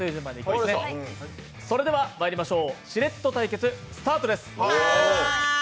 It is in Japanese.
それではまいりましょう、「シレット」対決スタートです。